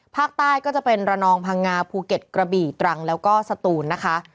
ก็จะเป็นระนองพังงาภูเก็ตกระบี่ตรังแล้วก็สตูนนะคะ